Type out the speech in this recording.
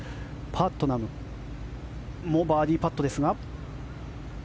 パットナムもバーディーパットですが。